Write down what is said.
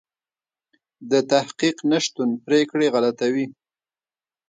د تحقیق نشتون پرېکړې غلطوي.